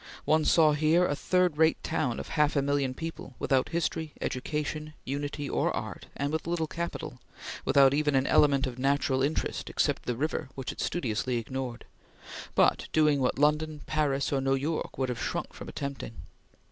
One saw here a third rate town of half a million people without history, education, unity, or art, and with little capital without even an element of natural interest except the river which it studiously ignored but doing what London, Paris, or New York would have shrunk from attempting.